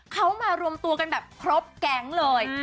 เขามารวมตัวกันแบบครบแก๊งเลย